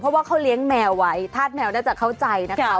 เพราะว่าเขาเลี้ยงแมวไว้ธาตุแมวน่าจะเข้าใจนะคะ